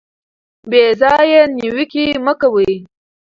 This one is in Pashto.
بې ځایه نیوکې مه کوئ.